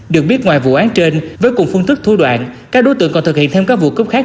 được biết ngoài vụ án trên với cùng phương thức thua đoạn các đối tượng còn thực hiện thêm các vụ cướp khác